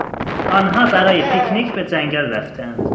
آنها برای پیک نیک به جنگل رفتهاند.